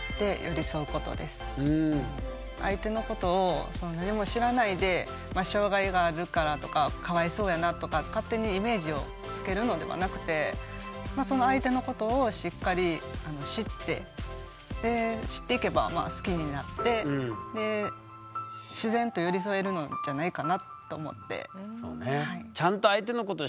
相手のことを何も知らないで障害があるからとかかわいそうやなとか勝手にイメージをつけるのではなくてその相手のことをしっかり知ってで知っていけば好きになって自然と寄り添えるのじゃないかなと思って。